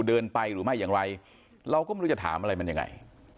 เดินไปหรือไม่อย่างไรเราก็ไม่รู้จะถามมันเอาอย่างไร